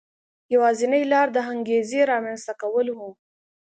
یوازینۍ لار د انګېزې رامنځته کول و.